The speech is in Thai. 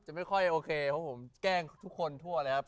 ไม่ค่อยโอเคเพราะผมแกล้งทุกคนทั่วเลยครับ